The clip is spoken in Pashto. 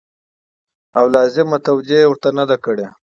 او لازمه توجع يې ورته نه ده کړې